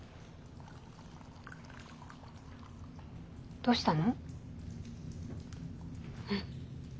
どうしたの？